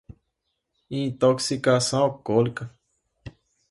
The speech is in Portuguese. intoxicação alcoólica